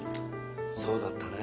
そうだったね。